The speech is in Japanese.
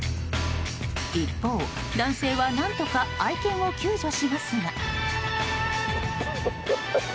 一方、男性は何とか愛犬を救助しますが。